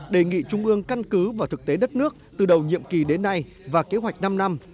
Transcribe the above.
đề nghị trung ương căn cứ vào thực tế đất nước từ đầu nhiệm kỳ đến nay và kế hoạch năm năm